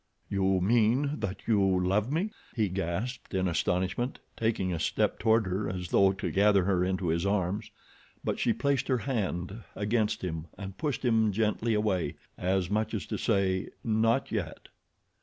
"You mean that you love me?" he gasped in astonishment, taking a step toward her as though to gather her into his arms; but she placed her hand against him and pushed him gently away, as much as to say, not yet.